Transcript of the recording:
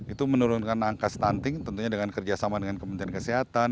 itu menurunkan angka stunting tentunya dengan kerjasama dengan kementerian kesehatan